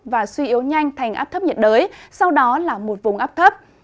và suy yếu nhanh thành áp thấp nhiệt đới sau đó là một vùng áp thấp